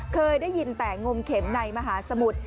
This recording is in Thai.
เคยได้ยินแต่งมเข็มในมหาสมุทร